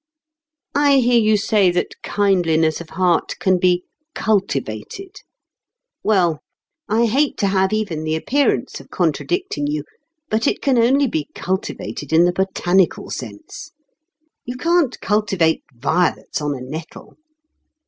I hear you say that kindliness of heart can be "cultivated." Well, I hate to have even the appearance of contradicting you, but it can only be cultivated in the botanical sense. You can't cultivate violets on a nettle.